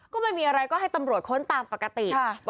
ก็ไม่มีอะไรก็ให้ตำรวจค้นตามปกติ